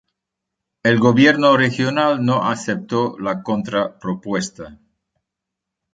El gobierno regional no aceptó la contrapropuesta.